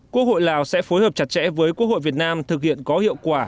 quốc hội lào sẽ phối hợp chặt chẽ với quốc hội việt nam thực hiện có hiệu quả